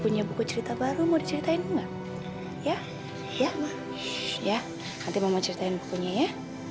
bilang kamu sita karena tadi sita itu salah ngomong ya